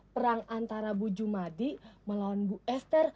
perang antara bu jumadi melawan bu esther